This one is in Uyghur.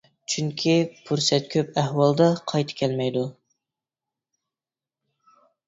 چۈنكى پۇرسەت كۆپ ئەھۋالدا قايتا كەلمەيدۇ.